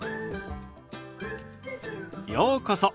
ようこそ。